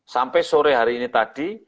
sampai sore hari ini tadi